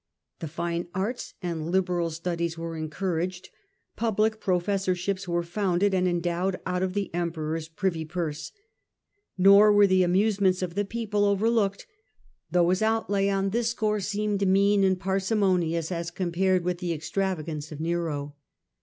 The fine arts and liberal studies were encouraged ; public professorships were founded and endowed out of the Emperor^s privy purse. Nor were the amusements of the people overlooked, though his outlay on this score seemed mean and parsimonious as compared with the extravagance of Nero.